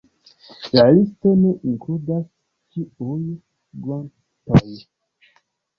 La listo ne inkludas ĉiuj grotoj.